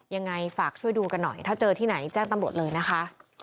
ยังไงฝากช่วยดูกันหน่อยถ้าเจอที่ไหนแจ้งตำรวจเลยนะคะ